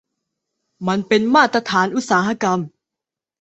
มันเป็นมาตรฐานอุตสาหกรรม